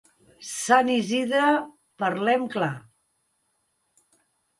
Sant Isidre, parlem clar.